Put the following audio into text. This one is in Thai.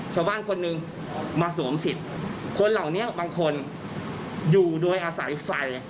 ชาวบ้านคนหนึ่งมาสวมสิทธิ์คนเหล่านี้บางคนอยู่โดยอาศัยไฟ